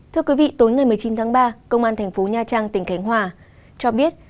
thưa quý vị tối ngày một mươi chín tháng ba công an thành phố nha trang tỉnh khánh hòa cho biết